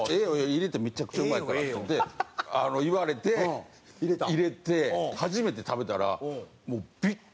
入れてめちゃくちゃうまいから」って言われて入れて初めて食べたら。